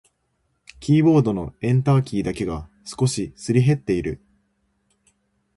キーボードのエンターキーだけが少しすり減っている。